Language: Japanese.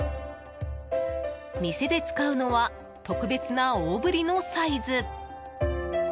店で使うのは特別な大ぶりのサイズ。